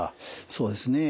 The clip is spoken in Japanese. そうですね。